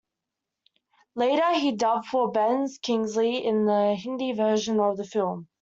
Later he dubbed for Ben Kingsley in the Hindi version of the film.